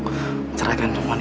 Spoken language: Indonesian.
mencerahkan wanita sebagainya